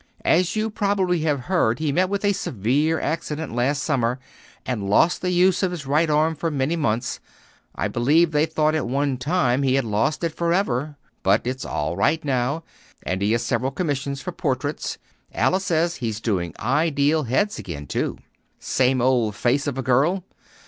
As you probably have heard, he met with a severe accident last summer, and lost the use of his right arm for many months. I believe they thought at one time he had lost it forever. But it's all right now, and he has several commissions for portraits. Alice says he's doing ideal heads again, too." "Same old 'Face of a Girl'?"